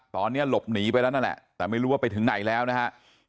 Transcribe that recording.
ตอนนี้หลบหนีไปแล้วนั่นแหละแต่ไม่รู้ว่าไปถึงไหนแล้วนะฮะ